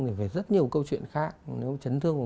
thì về rất nhiều câu chuyện khác nếu chấn thương